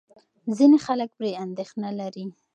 ځینې خلک پرې اندېښنه لري.